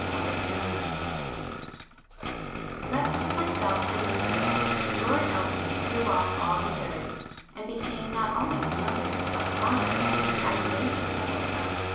[p 146]XIII Left with myself and Lucio, Lord Elton threw off all reserve, and became not only familiar, but fawning in his adulation of us both.